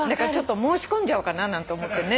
申し込んじゃおうかななんて思ってね